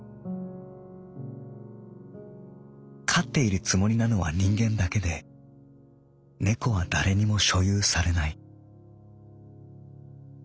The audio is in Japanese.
飼っているつもりなのは人間だけで猫は誰にも所有されない」。